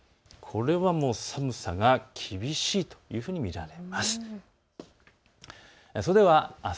これはもう寒さが厳しいというふうに見られます。